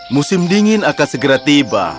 musim dingin akan segera tiba